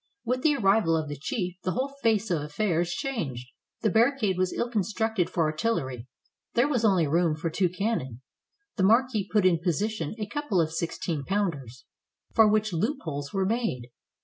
With the arrival of the chief the whole face of affairs changed. The barricade was ill constructed for artillery; there was only room for two cannon; the marquis put in position a couple of sixteen pounders, for which loopholes were made.